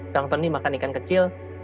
pelangton ini makan ikan kecil